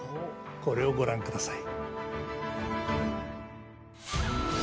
これをご覧ください。